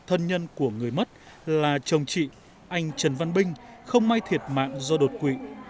anh trần văn binh không may thiệt mạng do đột quỵ